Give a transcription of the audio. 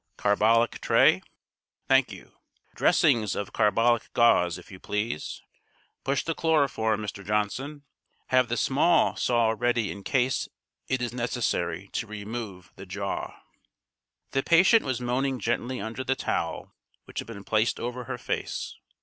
Carbolic tray. Thank you! Dressings of carbolic gauze, if you please! Push the chloroform, Mr. Johnson. Have the small saw ready in case it is necessary to remove the jaw." The patient was moaning gently under the towel which had been placed over her face.